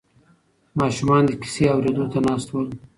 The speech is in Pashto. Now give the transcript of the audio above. ماشومان د کیسې اورېدو ته ناست ول.